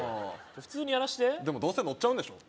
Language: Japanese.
普通にやらしてでもどうせのっちゃうんでしょ